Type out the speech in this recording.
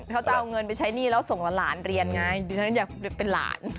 เขาจะเอาเงินไปใช้หนี้แล้วส่งหลานเรียนไงดิฉันอยากเป็นหลาน